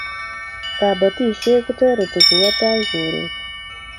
kabotishee kutoreti kuwo tai koree